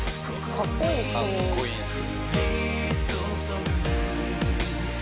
かっこいいです。